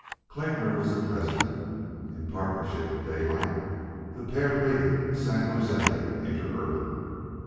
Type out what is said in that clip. Klinkner was the president. In partnership with Daylight, the pair raided the San Jose Interurban.